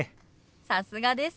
さすがです！